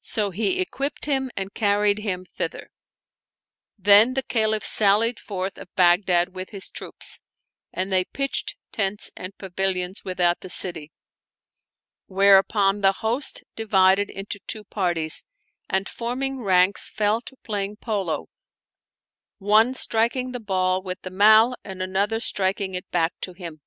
So he equipped him and carried him thither. Then the Caliph sallied forth of Baghdad with his troops, and they pitched tents and pavilions without the city; whereupon the host divided into two parties, and forming ranks fell to playing Polo, one striking the ball with the mall, and another striking it back to him.